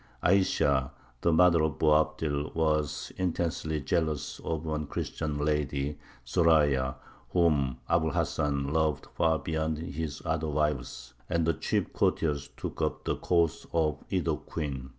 Ayesha, the mother of Boabdil, was intensely jealous of a Christian lady, Zoraya, whom Abu l Hasan loved far beyond his other wives; and the chief courtiers took up the cause of either queen.